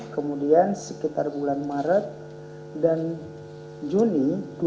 kemudian sekitar bulan maret dan juni dua ribu dua puluh